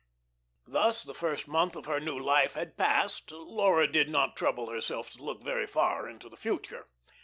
Thus the first month of her new life had passed Laura did not trouble herself to look very far into the future.